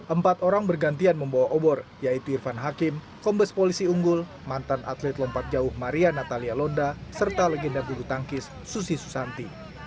empat orang bergantian membawa obor yaitu irfan hakim kombes polisi unggul mantan atlet lompat jauh maria natalia londa serta legenda bulu tangkis susi susanti